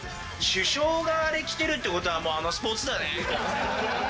主将があれきてるってことはあのスポーツだね。